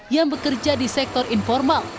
yang bekerja di sektor informal